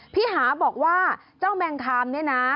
พี่หาบอกว่าเจ้าแมงคำเนี่ยนะ